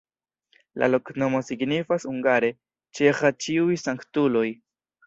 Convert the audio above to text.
La loknomo signifas hungare: "ĉeĥa-ĉiuj-sanktuloj".